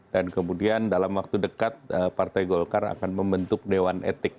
dan kemudian dalam waktu dekat partai golkar akan membentuk dewan etik